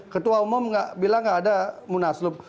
ketua umum bilang tidak ada munaslub